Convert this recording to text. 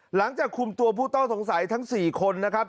หลังจากคุมตัวผู้ต้องสงสัยทั้ง๔คนนะครับ